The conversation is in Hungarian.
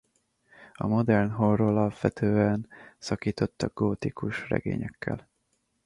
A modern horror alapvetően szakított a gótikus regényekkel.